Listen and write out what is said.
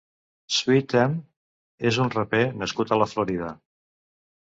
SWIT EME és un raper nascut a la Florida.